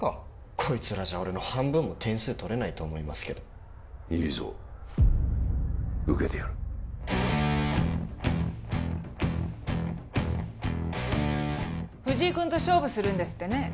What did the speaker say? こいつらじゃ俺の半分も点数取れないと思いますけどいいぞ受けてやる藤井君と勝負するんですってね